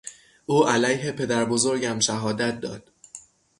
او علیه پدربزرگم شهادت داد.